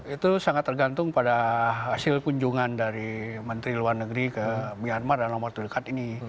itu sangat tergantung pada hasil kunjungan dari menteri luar negeri ke myanmar dalam waktu dekat ini